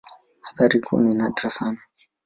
Athari kuu ni nadra sana.